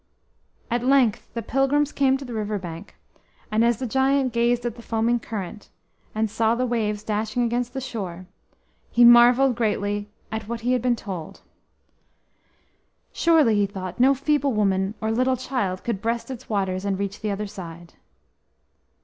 At length the pilgrims came to the river bank, and as the giant gazed at the foaming current, and saw the waves dashing against the shore, he marvelled greatly at what he had been told. Surely, he thought, no feeble woman or little child could breast its waters and reach the other side.